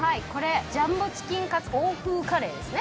ジャンボチキンカツ欧風カレーですね。